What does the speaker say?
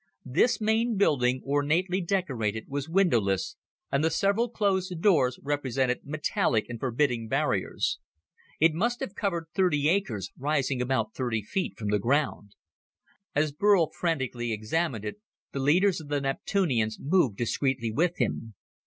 This main building, ornately decorated, was windowless, and the several closed doors represented metallic and forbidding barriers. It must have covered thirty acres, rising about thirty feet from the ground. As Burl frantically examined it, the leaders of the Neptunians moved discreetly with him.